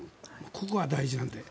ここは大事なので。